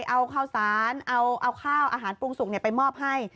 เอาข้าวสารเอาข้าวอาหารปรุงสุกไปมอบให้